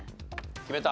決めた？